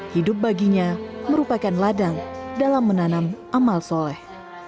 hidup baginya merupakan ladang dalam menanam amal soleh